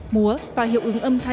múa và hiệu quả